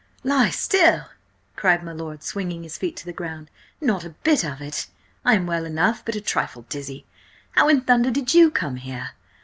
"Lie still?" cried my lord, swinging his feet to the ground. "Not a bit of it! I am well enough, but a trifle dizzy. How in thunder did you come here?